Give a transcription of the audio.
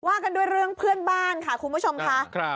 กันด้วยเรื่องเพื่อนบ้านค่ะคุณผู้ชมค่ะ